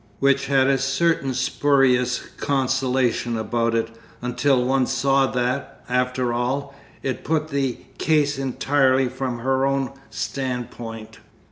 which had a certain spurious consolation about it, until one saw that, after all, it put the case entirely from her own standpoint.